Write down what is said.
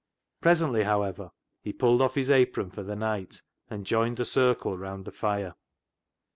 Presently, however, he pulled off his apron for the night, and joined the circle round the fire.